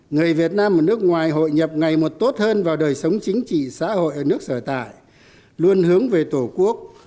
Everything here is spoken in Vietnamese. người việt nam ở nước ngoài hội nhập ngày một tốt hơn vào đời sống chính trị xã hội ở nước sở tại luôn hướng về tổ quốc